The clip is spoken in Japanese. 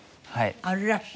あるらしい。